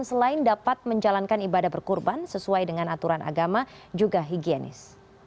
selain dapat menjalankan ibadah berkurban sesuai dengan aturan agama juga higienis